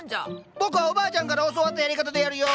僕はおばあちゃんから教わったやり方でやるよ！